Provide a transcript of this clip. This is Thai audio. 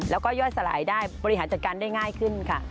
แล้วก็ย่อยสลายได้บริหารจัดการได้ง่ายขึ้นค่ะ